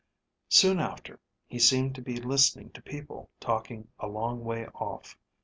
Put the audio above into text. Soon after he seemed to be listening to people talking a long way off.